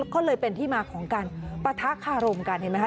ก็เลยเป็นที่มาของการปะทะคารมกันเห็นไหมค